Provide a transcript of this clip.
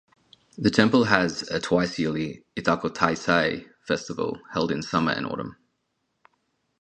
The temple has a twice-yearly "Itako Taisai" festival held in summer and autumn.